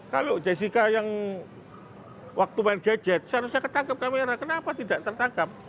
kalau jessica yang waktu main gadget seharusnya ketangkep kamera kenapa tidak tertangkap